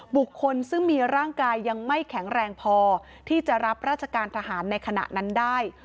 บุคคลซึ่งมีร่างกายยังไม่แข็งแรงพอที่จะรับราชการทหารในขณะนั้นได้